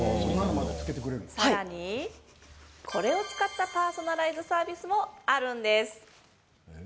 さらに、これを使ったパーソナライズサービスもあるんです。